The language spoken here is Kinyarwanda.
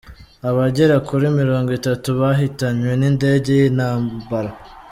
Abagera kuri Mirongo Itatu bahitanywe n’indege y’intambara